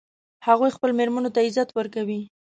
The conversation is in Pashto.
هغوی خپلو میرمنو ته عزت ورکوي